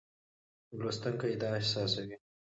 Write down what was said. لوستونکی دا احساسوي.